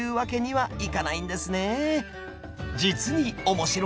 はい。